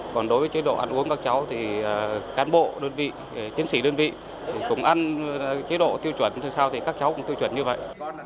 còn đối với chế độ ăn uống các cháu thì cán bộ đơn vị chiến sĩ đơn vị cũng ăn chế độ tiêu chuẩn từ sau thì các cháu cũng tiêu chuẩn như vậy